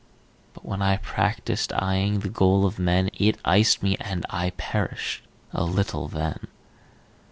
But when I practised eyeing The goal of men, It iced me, and I perished A little then.